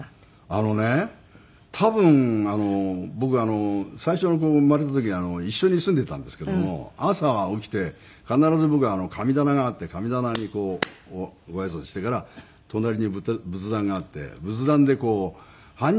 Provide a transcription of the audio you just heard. あのね多分僕最初の子が生まれた時に一緒に住んでたんですけども朝起きて必ず僕神棚があって神棚にこうごあいさつしてから隣に仏壇があって仏壇でこう般若心経を読むんですね。